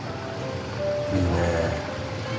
いいねえ。